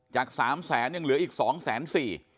จาก๓๐๐๐๐๐บาทยังเหลืออีก๒๔๐๐๐๐บาท